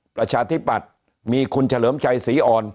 ประชาธิปัตย์มีคุณเฉลิมชัยศรีอ่อน